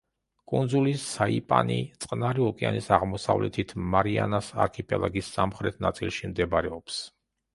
კუნძული საიპანი წყნარი ოკეანის აღმოსავლეთით მარიანას არქიპელაგის სამხრეთ ნაწილში მდებარეობს.